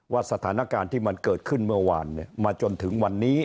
สถานการณ์ที่มันเกิดขึ้นเมื่อวานมาจนถึงวันนี้